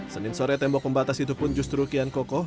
senin sore tembok pembatas itu pun justru kian kokoh